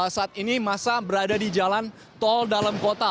saat ini masa berada di jalan tol dalam kota